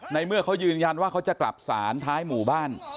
ในเมื่อเขายืนยันว่าเขาจะกลับศาลท้ายหมู่บ้าน